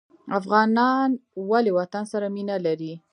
افغانان ولې وطن سره مینه لري؟